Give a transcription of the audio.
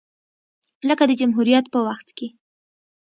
لکه د جمهوریت په وخت کې